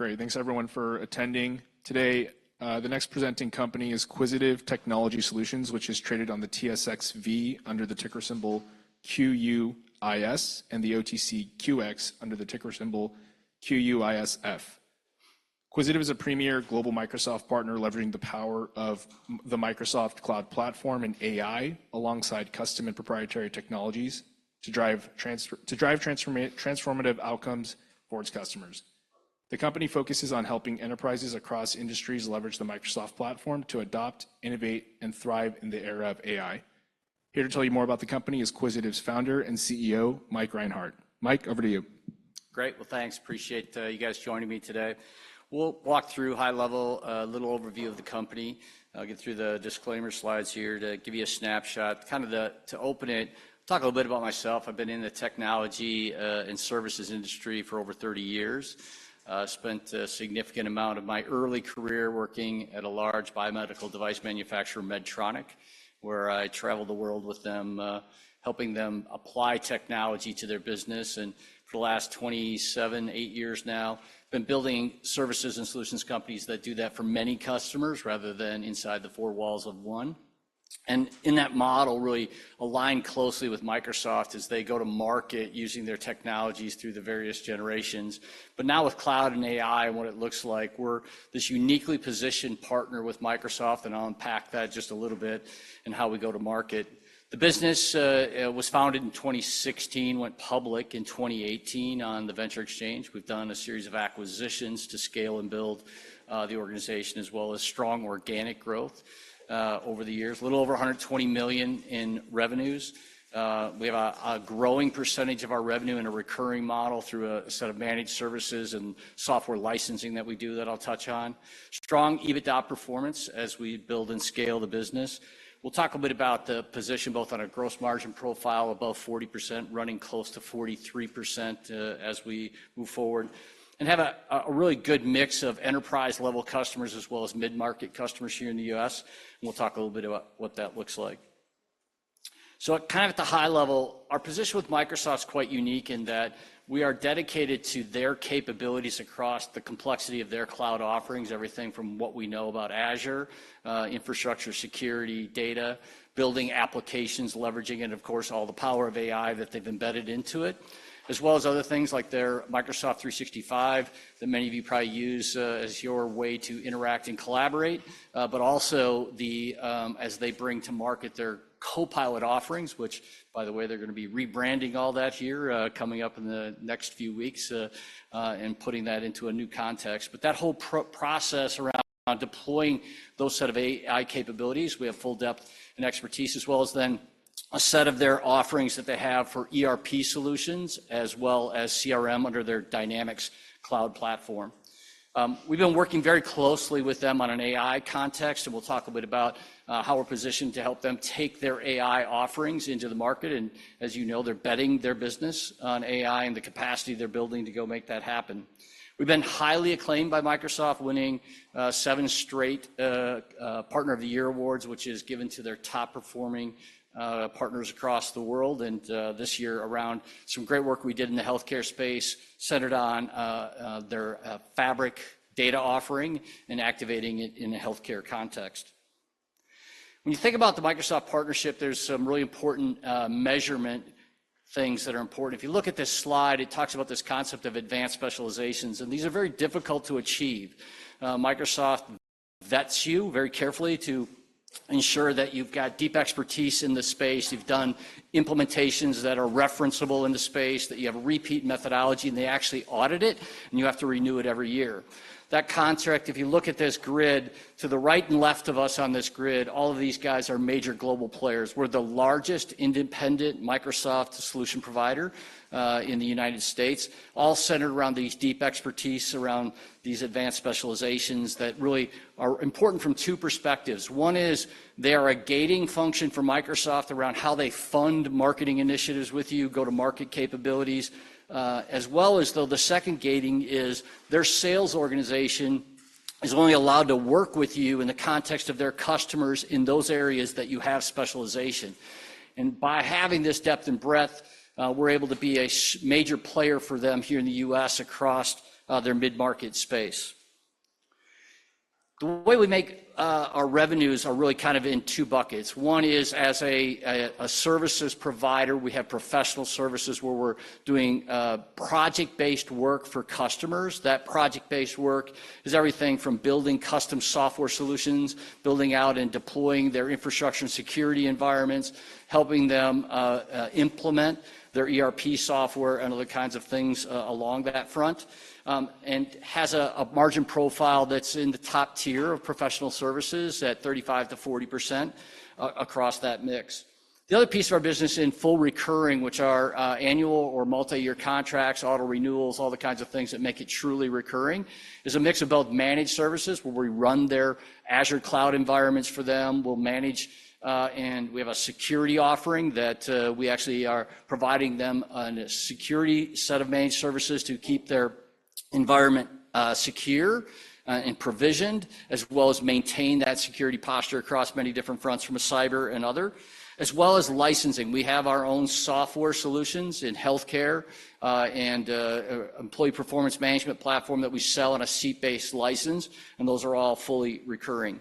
Great. Thanks, everyone, for attending today. The next presenting company is Quisitive Technology Solutions, which is traded on the TSXV under the ticker symbol QUIS, and the OTCQX under the ticker symbol QUISF. Quisitive is a premier global Microsoft partner, leveraging the power of the Microsoft Cloud platform and AI, alongside custom and proprietary technologies, to drive transformative outcomes for its customers. The company focuses on helping enterprises across industries leverage the Microsoft platform to adopt, innovate, and thrive in the era of AI. Here to tell you more about the company is Quisitive's Founder and CEO, Mike Reinhart. Mike, over to you. Great. Well, thanks. Appreciate you guys joining me today. We'll walk through high level, a little overview of the company. I'll get through the disclaimer slides here to give you a snapshot. Kind of, to open it, talk a little bit about myself. I've been in the technology and services industry for over 30 years. Spent a significant amount of my early career working at a large biomedical device manufacturer, Medtronic, where I traveled the world with them, helping them apply technology to their business. For the last 27, 28 years now, been building services and solutions companies that do that for many customers rather than inside the four walls of one. In that model, really align closely with Microsoft as they go to market using their technologies through the various generations. But now with cloud and AI and what it looks like, we're this uniquely positioned partner with Microsoft, and I'll unpack that just a little bit in how we go to market. The business was founded in 2016, went public in 2018 on the Venture Exchange. We've done a series of acquisitions to scale and build the organization, as well as strong organic growth over the years. A little over $120 million in revenues. We have a growing percentage of our revenue in a recurring model through a set of managed services and software licensing that we do, that I'll touch on. Strong EBITDA performance as we build and scale the business. We'll talk a bit about the position, both on a gross margin profile, above 40%, running close to 43%, as we move forward, and have a really good mix of enterprise-level customers as well as mid-market customers here in the U.S., and we'll talk a little bit about what that looks like. So kind of at the high level, our position with Microsoft is quite unique in that we are dedicated to their capabilities across the complexity of their cloud offerings, everything from what we know about Azure, infrastructure, security, data, building applications, leveraging, and of course, all the power of AI that they've embedded into it, as well as other things like their Microsoft 365, that many of you probably use, as your way to interact and collaborate. But also the... as they bring to market their Copilot offerings, which, by the way, they're gonna be rebranding all that here, coming up in the next few weeks, and putting that into a new context. But that whole process around deploying those set of AI capabilities, we have full depth and expertise, as well as then a set of their offerings that they have for ERP solutions, as well as CRM under their Dynamics Cloud platform. We've been working very closely with them on an AI context, and we'll talk a bit about how we're positioned to help them take their AI offerings into the market, and as you know, they're betting their business on AI and the capacity they're building to go make that happen. We've been highly acclaimed by Microsoft, winning seven straight Partner of the Year awards, which is given to their top-performing partners across the world, and this year around some great work we did in the healthcare space, centered on their Fabric data offering and activating it in a healthcare context. When you think about the Microsoft partnership, there's some really important measurement things that are important. If you look at this slide, it talks about this concept of advanced specializations, and these are very difficult to achieve. Microsoft vets you very carefully to ensure that you've got deep expertise in this space, you've done implementations that are referenceable in the space, that you have a repeat methodology, and they actually audit it, and you have to renew it every year. That contract, if you look at this grid, to the right and left of us on this grid, all of these guys are major global players. We're the largest independent Microsoft solution provider in the United States, all centered around these deep expertise, around these advanced specializations that really are important from two perspectives. One is they are a gating function for Microsoft around how they fund marketing initiatives with you, go-to-market capabilities. As well as, though, the second gating is their sales organization is only allowed to work with you in the context of their customers in those areas that you have specialization. And by having this depth and breadth, we're able to be a major player for them here in the U.S. across their mid-market space. The way we make our revenues are really kind of in two buckets. One is as a services provider, we have professional services where we're doing project-based work for customers. That project-based work is everything from building custom software solutions, building out and deploying their infrastructure and security environments, helping them implement their ERP software, and other kinds of things along that front, and has a margin profile that's in the top tier of professional services at 35%-40% across that mix. The other piece of our business in full recurring, which are annual or multiyear contracts, auto renewals, all the kinds of things that make it truly recurring, is a mix of both managed services, where we run their Azure cloud environments for them, we'll manage. And we have a security offering that we actually are providing them an security set of managed services to keep their-... environment, secure, and provisioned, as well as maintain that security posture across many different fronts from a cyber and other, as well as licensing. We have our own software solutions in healthcare, and employee performance management platform that we sell on a seat-based license, and those are all fully recurring.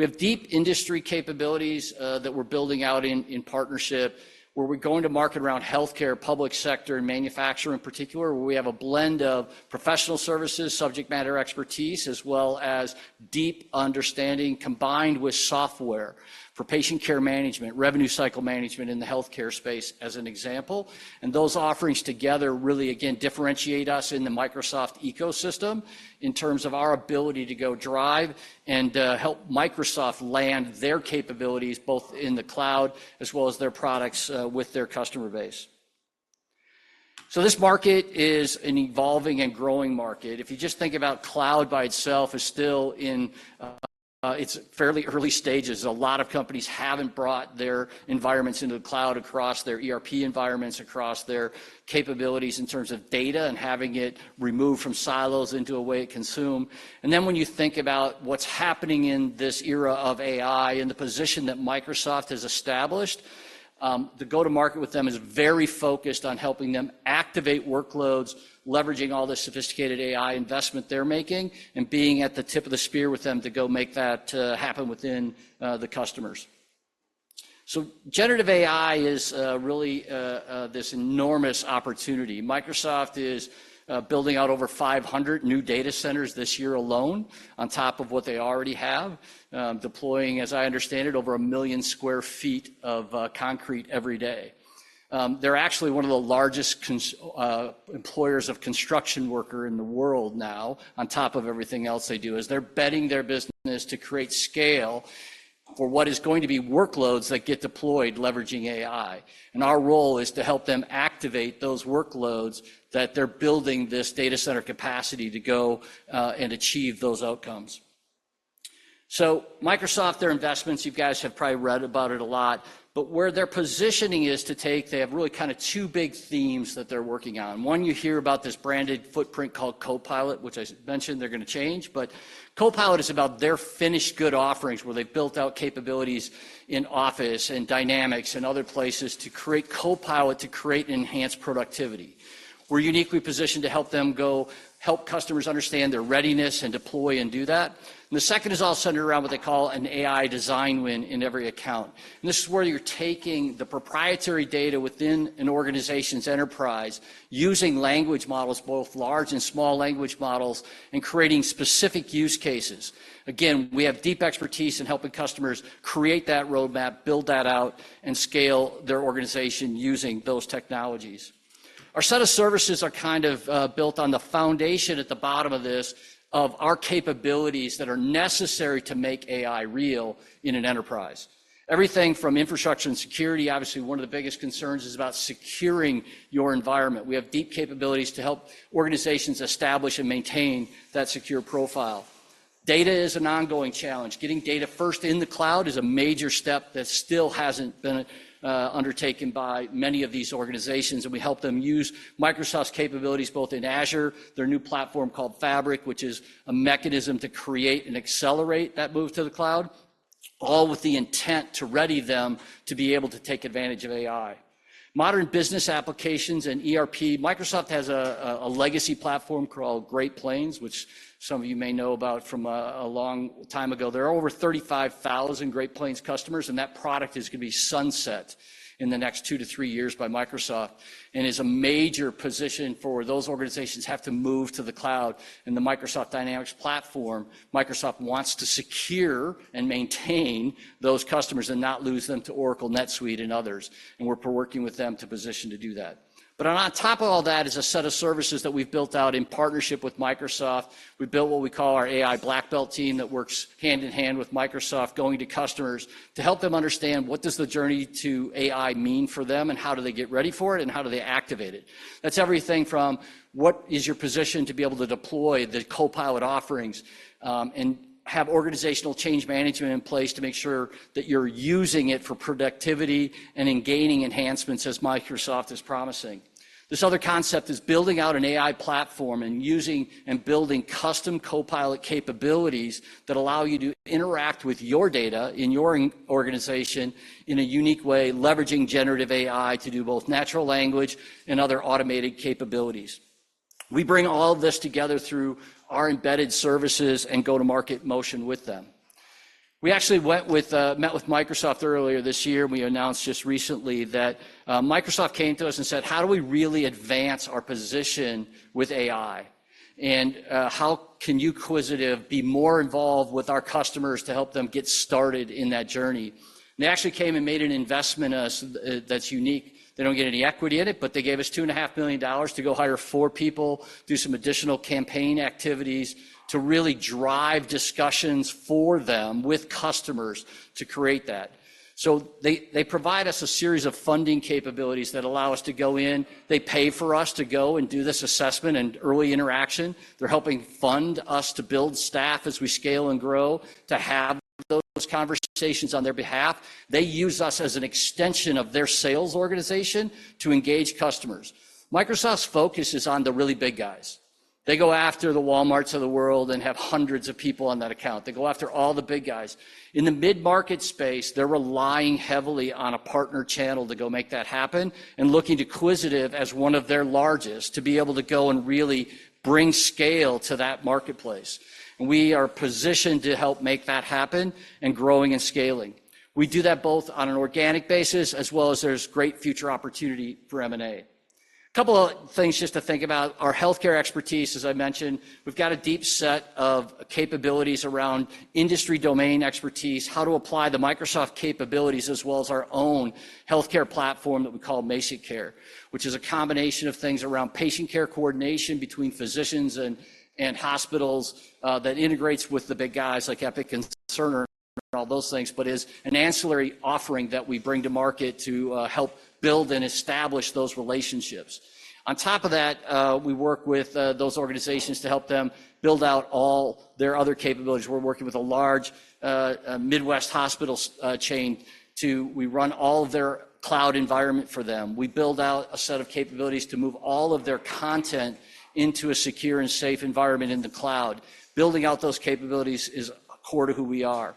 We have deep industry capabilities, that we're building out in partnership, where we're going to market around healthcare, public sector, and manufacturing in particular, where we have a blend of professional services, subject matter expertise, as well as deep understanding, combined with software for patient care management, revenue cycle management in the healthcare space, as an example. And those offerings together really, again, differentiate us in the Microsoft ecosystem in terms of our ability to go drive and help Microsoft land their capabilities, both in the cloud as well as their products with their customer base. So this market is an evolving and growing market. If you just think about cloud by itself, is still in its fairly early stages. A lot of companies haven't brought their environments into the cloud, across their ERP environments, across their capabilities in terms of data and having it removed from silos into a way it consume. And then, when you think about what's happening in this era of AI and the position that Microsoft has established, the go-to-market with them is very focused on helping them activate workloads, leveraging all the sophisticated AI investment they're making, and being at the tip of the spear with them to go make that happen within the customers. So generative AI is really this enormous opportunity. Microsoft is building out over 500 new data centers this year alone, on top of what they already have, deploying, as I understand it, over 1 million sq ft of concrete every day. They're actually one of the largest employers of construction worker in the world now, on top of everything else they do, as they're betting their business to create scale for what is going to be workloads that get deployed leveraging AI. Our role is to help them activate those workloads that they're building this data center capacity to go and achieve those outcomes. Microsoft, their investments, you guys have probably read about it a lot, but where they're positioning is to take. They have really two big themes that they're working on. One, you hear about this branded footprint called Copilot, which I mentioned they're gonna change. Copilot is about their finished good offerings, where they've built out capabilities in Office and Dynamics and other places to create Copilot, to create and enhance productivity. We're uniquely positioned to help them go help customers understand their readiness and deploy and do that, and the second is all centered around what they call an AI design win in every account. This is where you're taking the proprietary data within an organization's enterprise, using language models, both large and small language models, and creating specific use cases. Again, we have deep expertise in helping customers create that roadmap, build that out, and scale their organization using those technologies. Our set of services are kind of built on the foundation at the bottom of this, of our capabilities that are necessary to make AI real in an enterprise. Everything from infrastructure and security, obviously, one of the biggest concerns is about securing your environment. We have deep capabilities to help organizations establish and maintain that secure profile. Data is an ongoing challenge. Getting data first in the cloud is a major step that still hasn't been undertaken by many of these organizations, and we help them use Microsoft's capabilities, both in Azure, their new platform called Fabric, which is a mechanism to create and accelerate that move to the cloud, all with the intent to ready them to be able to take advantage of AI. Modern business applications and ERP. Microsoft has a legacy platform called Great Plains, which some of you may know about from a long time ago. There are over 35,000 Great Plains customers, and that product is gonna be sunset in the next two to three years by Microsoft and is a major position for those organizations have to move to the cloud and the Microsoft Dynamics platform. Microsoft wants to secure and maintain those customers and not lose them to Oracle, NetSuite, and others, and we're working with them to position to do that, but on top of all that is a set of services that we've built out in partnership with Microsoft. We built what we call our AI Black Belt team that works hand in hand with Microsoft, going to customers to help them understand what does the journey to AI mean for them, and how do they get ready for it, and how do they activate it? That's everything from what is your position to be able to deploy the Copilot offerings, and have organizational change management in place to make sure that you're using it for productivity and in gaining enhancements, as Microsoft is promising. This other concept is building out an AI platform and using and building custom Copilot capabilities that allow you to interact with your data in your organization in a unique way, leveraging generative AI to do both natural language and other automated capabilities. We bring all of this together through our embedded services and go-to-market motion with them. We actually met with Microsoft earlier this year, and we announced just recently that Microsoft came to us and said, "How do we really advance our position with AI, and how can you, Quisitive, be more involved with our customers to help them get started in that journey?" and they actually came and made an investment in us, that's unique. They don't get any equity in it, but they gave us $2.5 million to go hire four people, do some additional campaign activities to really drive discussions for them with customers to create that. So they provide us a series of funding capabilities that allow us to go in. They pay for us to go and do this assessment and early interaction. They're helping fund us to build staff as we scale and grow, to have those conversations on their behalf. They use us as an extension of their sales organization to engage customers. Microsoft's focus is on the really big guys. They go after the Walmarts of the world and have hundreds of people on that account. They go after all the big guys. In the mid-market space, they're relying heavily on a partner channel to go make that happen and looking to Quisitive as one of their largest to be able to go and really bring scale to that marketplace. We are positioned to help make that happen and growing and scaling. We do that both on an organic basis as well as there's great future opportunity for M&A. A couple of things just to think about, our healthcare expertise, as I mentioned, we've got a deep set of capabilities around industry domain expertise, how to apply the Microsoft capabilities, as well as our own healthcare platform that we call MazikCare, which is a combination of things around patient care coordination between physicians and hospitals, that integrates with the big guys like Epic and Cerner, and all those things, but is an ancillary offering that we bring to market to help build and establish those relationships. On top of that, we work with those organizations to help them build out all their other capabilities. We're working with a large Midwest hospital chain. We run all of their cloud environment for them. We build out a set of capabilities to move all of their content into a secure and safe environment in the cloud. Building out those capabilities is core to who we are.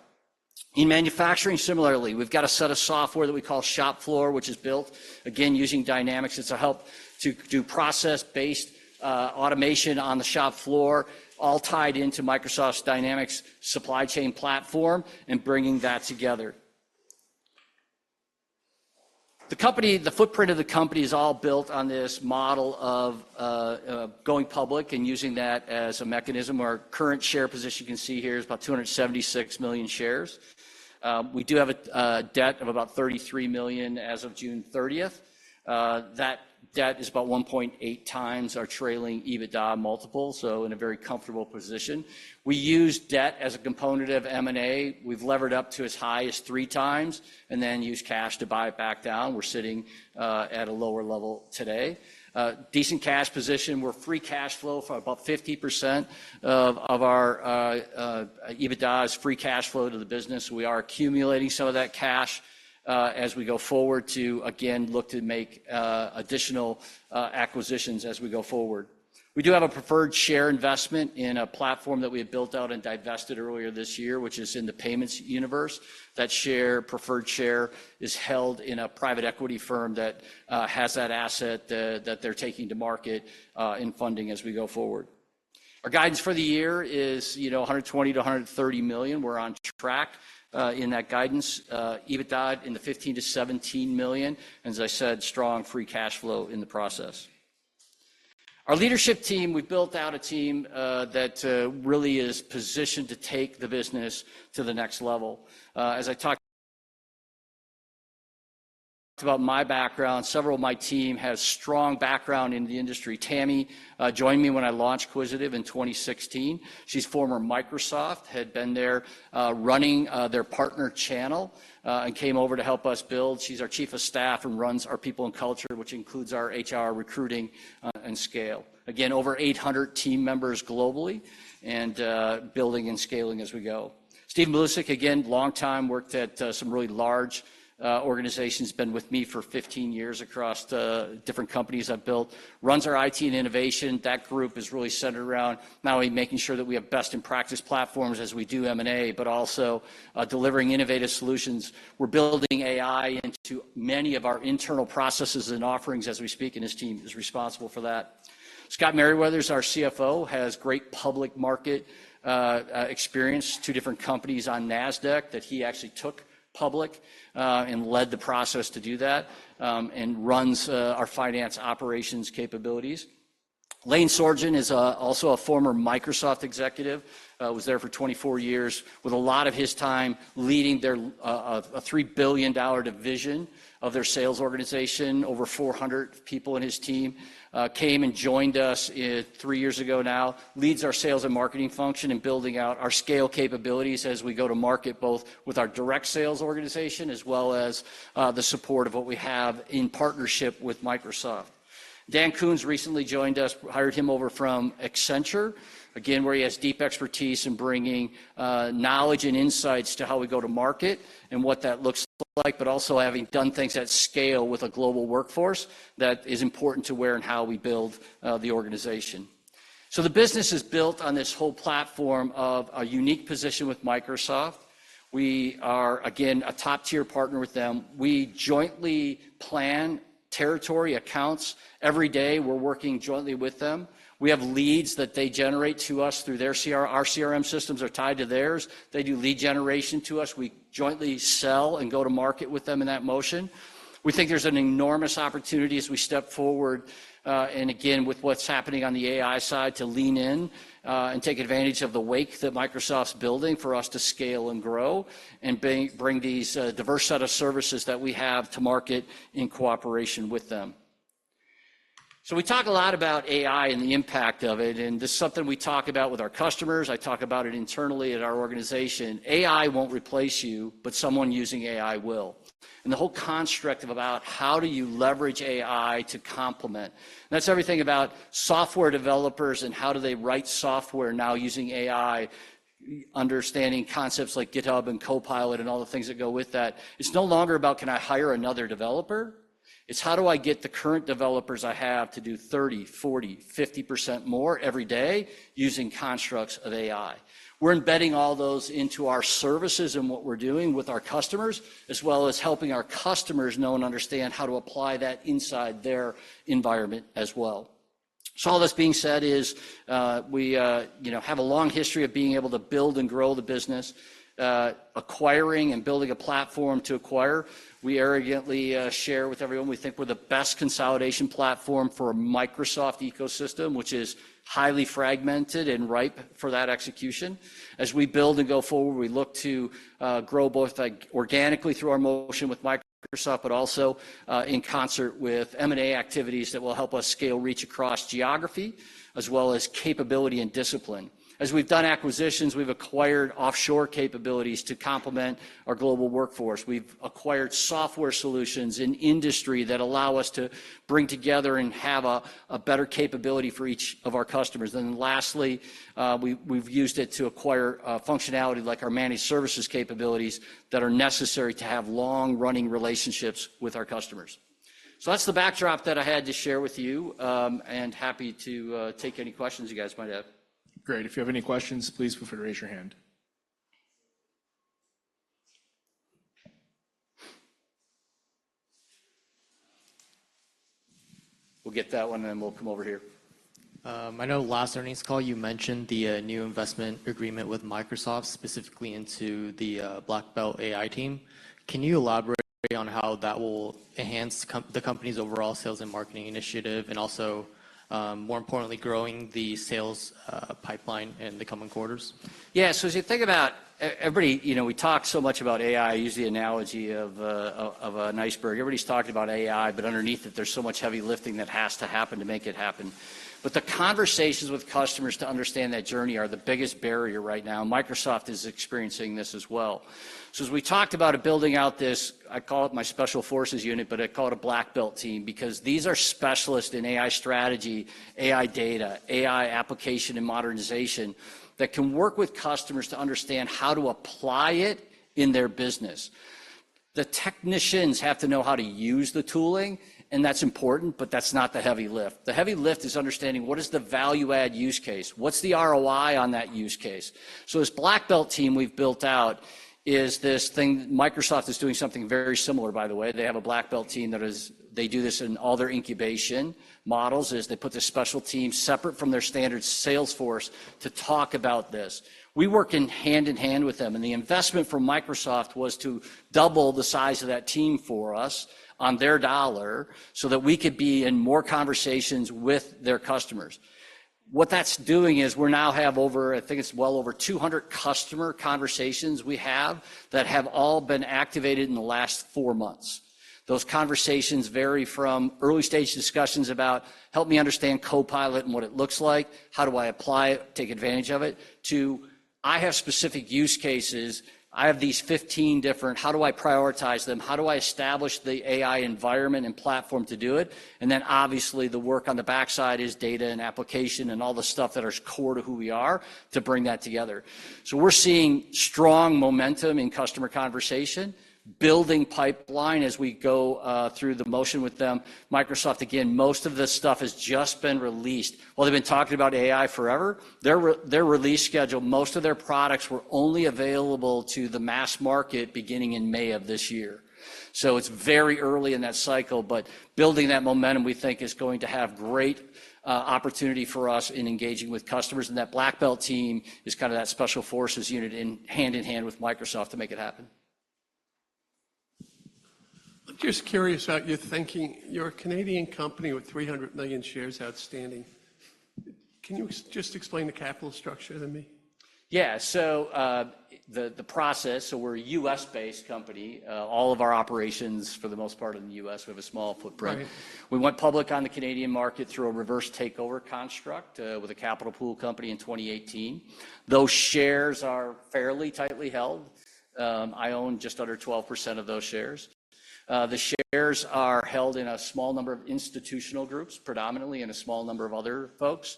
In manufacturing, similarly, we've got a set of software that we call ShopFloor, which is built, again, using Dynamics. It's to help to do process-based automation on the shop floor, all tied into Microsoft's Dynamics supply chain platform and bringing that together. The company, the footprint of the company is all built on this model of going public and using that as a mechanism. Our current share position, you can see here, is about 276 million shares. We do have a debt of about $33 million as of June 30th. That debt is about 1.8x our trailing EBITDA multiple, so in a very comfortable position. We use debt as a component of M&A. We've levered up to as high as 3x and then use cash to buy it back down. We're sitting at a lower level today. Decent cash position. We're free cash flow for about 50% of our EBITDA is free cash flow to the business. We are accumulating some of that cash as we go forward to, again, look to make additional acquisitions as we go forward. We do have a preferred share investment in a platform that we had built out and divested earlier this year, which is in the payments universe. That share, preferred share, is held in a private equity firm that has that asset that they're taking to market in funding as we go forward. Our guidance for the year is, you know, $120-$130 million. We're on track in that guidance, EBITDA in the $15-$17 million, and as I said, strong free cash flow in the process. Our leadership team, we've built out a team that really is positioned to take the business to the next level. As I talked about my background, several of my team has strong background in the industry. Tami joined me when I launched Quisitive in 2016. She's former Microsoft, had been there running their partner channel and came over to help us build. She's our chief of staff and runs our people and culture, which includes our HR, recruiting, and scale. Again, over 800 team members globally and building and scaling as we go. Steve Milicic, again, longtime, worked at some really large organizations, been with me for 15 years across the different companies I've built. Runs our IT and innovation. That group is really centered around not only making sure that we have best in practice platforms as we do M&A, but also delivering innovative solutions. We're building AI into many of our internal processes and offerings as we speak, and his team is responsible for that. Scott Meriwether is our CFO, has great public market experience, two different companies on Nasdaq that he actually took public, and led the process to do that, and runs our finance operations capabilities. Lane Sorgen is also a former Microsoft executive, was there for 24 years, with a lot of his time leading their... A $3 billion division of their sales organization, over 400 people in his team. Came and joined us three years ago now, leads our sales and marketing function in building out our scale capabilities as we go to market, both with our direct sales organization as well as the support of what we have in partnership with Microsoft. Dan Kunz recently joined us, hired him over from Accenture, again, where he has deep expertise in bringing knowledge and insights to how we go to market and what that looks like, but also having done things at scale with a global workforce that is important to where and how we build the organization. So the business is built on this whole platform of a unique position with Microsoft. We are, again, a top-tier partner with them. We jointly plan territory accounts. Every day, we're working jointly with them. We have leads that they generate to us through their CRM, our CRM systems are tied to theirs. They do lead generation to us. We jointly sell and go to market with them in that motion. We think there's an enormous opportunity as we step forward, and again, with what's happening on the AI side, to lean in, and take advantage of the wake that Microsoft's building for us to scale and grow and bring these diverse set of services that we have to market in cooperation with them. So we talk a lot about AI and the impact of it, and this is something we talk about with our customers. I talk about it internally at our organization. AI won't replace you, but someone using AI will.... And the whole construct of about how do you leverage AI to complement. And that's everything about software developers and how do they write software now using AI, understanding concepts like GitHub and Copilot and all the things that go with that. It's no longer about, "Can I hire another developer?" It's: "How do I get the current developers I have to do 30, 40, 50% more every day using constructs of AI?" We're embedding all those into our services and what we're doing with our customers, as well as helping our customers know and understand how to apply that inside their environment as well. So all this being said is, we, you know, have a long history of being able to build and grow the business, acquiring and building a platform to acquire. We arrogantly share with everyone. We think we're the best consolidation platform for a Microsoft ecosystem, which is highly fragmented and ripe for that execution. As we build and go forward, we look to grow both, like, organically through our motion with Microsoft, but also in concert with M&A activities that will help us scale reach across geography, as well as capability and discipline. As we've done acquisitions, we've acquired offshore capabilities to complement our global workforce. We've acquired software solutions in industry that allow us to bring together and have a better capability for each of our customers. And then lastly, we've used it to acquire functionality like our managed services capabilities that are necessary to have long-running relationships with our customers. So that's the backdrop that I had to share with you, and happy to take any questions you guys might have. Great. If you have any questions, please feel free to raise your hand. We'll get that one, and then we'll come over here. I know last earnings call, you mentioned the new investment agreement with Microsoft, specifically into the Black Belt AI team. Can you elaborate on how that will enhance the company's overall sales and marketing initiative, and also, more importantly, growing the sales pipeline in the coming quarters? Yeah. So as you think about every. You know, we talk so much about AI. I use the analogy of an iceberg. Everybody's talked about AI, but underneath it, there's so much heavy lifting that has to happen to make it happen. But the conversations with customers to understand that journey are the biggest barrier right now. Microsoft is experiencing this as well. So as we talked about building out this, I call it my special forces unit, but I call it a Black Belt team because these are specialists in AI strategy, AI data, AI application, and modernization that can work with customers to understand how to apply it in their business. The technicians have to know how to use the tooling, and that's important, but that's not the heavy lift. The heavy lift is understanding: What is the value-add use case? What's the ROI on that use case? So this Black Belt team we've built out is this thing... Microsoft is doing something very similar, by the way. They have a Black Belt team that is-- They do this in all their incubation models, is they put this special team separate from their standard sales force to talk about this. We work in hand-in-hand with them, and the investment from Microsoft was to double the size of that team for us on their dollar so that we could be in more conversations with their customers. What that's doing is we now have over, I think it's well over two hundred customer conversations we have that have all been activated in the last four months. Those conversations vary from early-stage discussions about, "Help me understand Copilot and what it looks like. How do I apply it, take advantage of it?" To, "I have specific use cases. I have these 15 different... How do I prioritize them? How do I establish the AI environment and platform to do it?" And then, obviously, the work on the backside is data and application and all the stuff that is core to who we are to bring that together. So we're seeing strong momentum in customer conversation, building pipeline as we go through the motion with them. Microsoft, again, most of this stuff has just been released. While they've been talking about AI forever, their release schedule, most of their products were only available to the mass market beginning in May of this year. So it's very early in that cycle, but building that momentum, we think, is going to have great opportunity for us in engaging with customers. That Black Belt team is kinda that special forces unit in hand-in-hand with Microsoft to make it happen. I'm just curious about your thinking. You're a Canadian company with three hundred million shares outstanding. Can you just explain the capital structure to me? Yeah. So, the process, so we're a U.S.-based company. All of our operations, for the most part, are in the U.S. We have a small footprint. Right. We went public on the Canadian market through a reverse takeover construct, with a capital pool company in 2018. Those shares are fairly tightly held. I own just under 12% of those shares. The shares are held in a small number of institutional groups, predominantly, and a small number of other folks,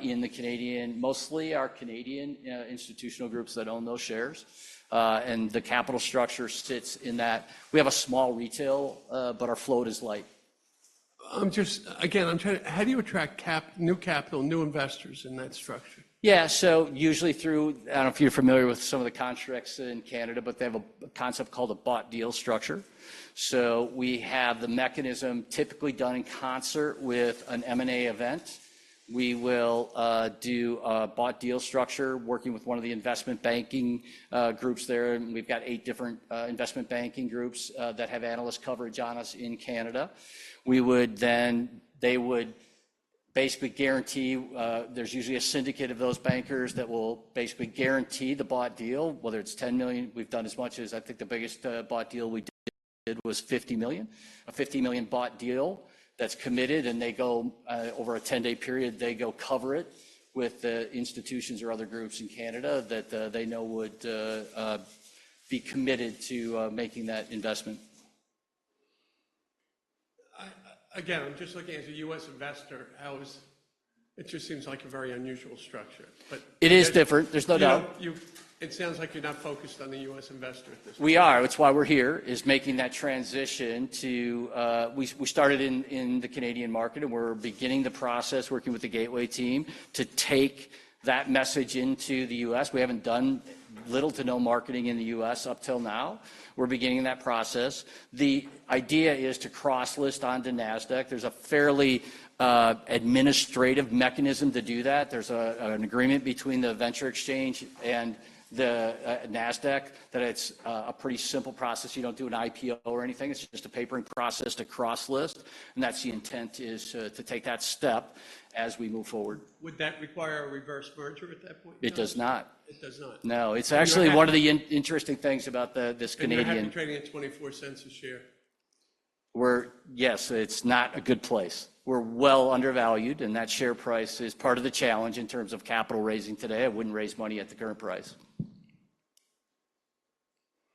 in the Canadian, mostly our Canadian, institutional groups that own those shares, and the capital structure sits in that. We have a small retail, but our float is light. Again, I'm trying to how do you attract new capital, new investors in that structure? Yeah, so usually through, I don't know if you're familiar with some of the constructs in Canada, but they have a concept called a bought deal structure. So we have the mechanism typically done in concert with an M&A event. We will do a bought deal structure working with one of the investment banking groups there, and we've got eight different investment banking groups that have analyst coverage on us in Canada. We would then. They would basically guarantee. There's usually a syndicate of those bankers that will basically guarantee the bought deal, whether it's 10 million. We've done as much as, I think, the biggest bought deal we did was 50 million. A $50 million bought deal that's committed, and they go over a 10-day period, they go cover it with the institutions or other groups in Canada that they know would be committed to making that investment. I, again, I'm just looking as a U.S. investor, how is... It just seems like a very unusual structure, but- It is different. There's no doubt. It sounds like you're not focused on the U.S. investor at this point. We are. That's why we're here, is making that transition to. We started in the Canadian market, and we're beginning the process, working with the Gateway team, to take that message into the U.S. We haven't done little to no marketing in the U.S. up till now. We're beginning that process. The idea is to cross-list onto Nasdaq. There's a fairly administrative mechanism to do that. There's an agreement between the Venture Exchange and the Nasdaq, that it's a pretty simple process. You don't do an IPO or anything. It's just a papering process to cross-list, and that's the intent, is to take that step as we move forward. Would that require a reverse merger at that point in time? It does not. It does not? No. It's actually- You're having-... one of the interesting things about this Canadian- You're happy trading at $0.24 a share? Yes, it's not a good place. We're well undervalued, and that share price is part of the challenge in terms of capital raising today. I wouldn't raise money at the current price.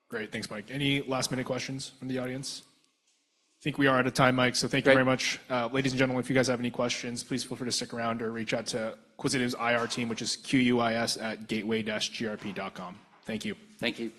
Great. Thanks, Mike. Any last-minute questions from the audience? I think we are out of time, Mike, so thank you very much. Great. Ladies and gentlemen, if you guys have any questions, please feel free to stick around or reach out to Quisitive's IR team, which is quis@gateway-grp.com. Thank you. Thank you.